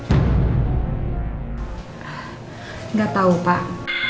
enggak tahu pak